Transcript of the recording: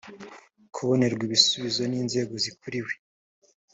kubonerwa ibisubizo n inzego zikuriwe